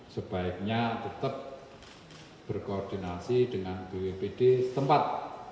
sebaiknya tetap berkoordinasi dengan bwpd setempat